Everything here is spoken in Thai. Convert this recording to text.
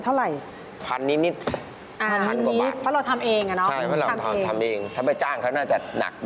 ค่าทุกอย่างก็เกือบหมื่นนะครับค่าทุกอย่างก็เกือบหมื่นนะครับ